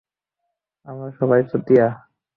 আমরা সবটি চুতিয়া।